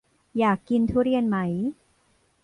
อยากกินทุเรียนไหม